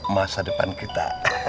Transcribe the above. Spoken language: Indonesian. masa depan kita